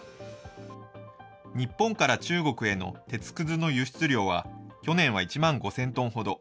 日本から中国への鉄くずの輸出量は去年は１万５０００トンほど。